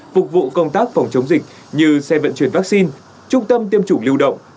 phục vụ công tác phòng chống dịch như xe vận chuyển vaccine trung tâm tiêm chủng lưu động